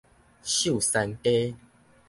秀山街